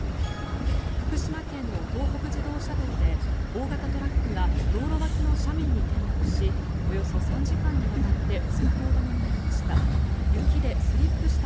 福島県の東北自動車道で大型トラックが道路脇の斜面に転落しおよそ３時間にわたって通行止めになりました。